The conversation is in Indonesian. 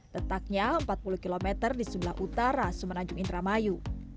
letaknya empat puluh km di sebelah utara sumenanjung indramayu